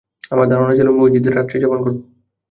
আমার ধারণা ছিল মসজিদে রান্ত্রি যাপন করব।